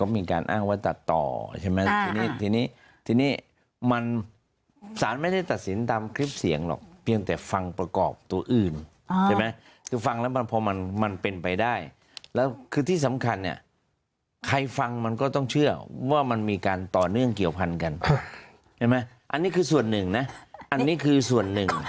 มีการอ้างว่าตัดต่อใช่ไหมทีนี้ทีนี้มันสารไม่ได้ตัดสินตามคลิปเสียงหรอกเพียงแต่ฟังประกอบตัวอื่นใช่ไหมคือฟังแล้วมันพอมันเป็นไปได้แล้วคือที่สำคัญเนี่ยใครฟังมันก็ต้องเชื่อว่ามันมีการต่อเนื่องเกี่ยวพันกันใช่ไหมอันนี้คือส่วนหนึ่งนะอันนี้คือส่วนหนึ่ง